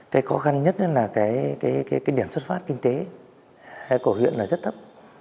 cái khó khăn nhất là cái điểm xuất phát kinh tế của huyện là rất thấp